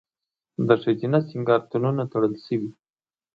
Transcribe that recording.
د ښځینه سینګارتونونه تړل شوي؟